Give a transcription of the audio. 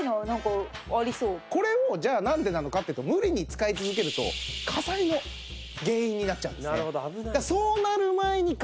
これをじゃあなんでなのかっていうと無理に使い続けると火災の原因になっちゃうんですね。